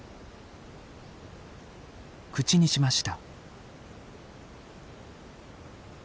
口にしました。